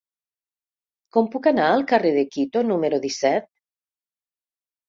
Com puc anar al carrer de Quito número disset?